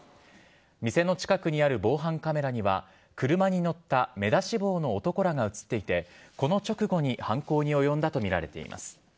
店の近くにある防犯カメラには、車に乗った目出し帽の男らが映っていて、この直後に、犯行に及んだと見られています。